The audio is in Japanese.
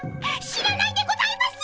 知らないでございます！